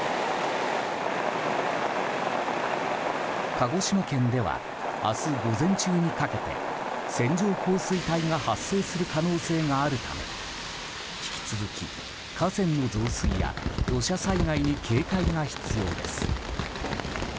鹿児島県では明日午前中にかけて線状降水帯が発生する可能性があるため引き続き、河川の増水や土砂災害に警戒が必要です。